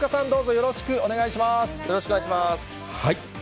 よろしくお願いします。